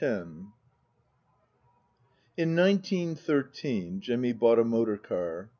X IN nineteen thirteen Jimmy bought a motor car.